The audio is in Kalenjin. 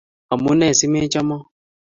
omunee simechomoo